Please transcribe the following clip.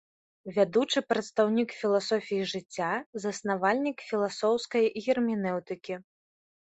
Вядучы прадстаўнік філасофіі жыцця, заснавальнік філасофскай герменеўтыкі.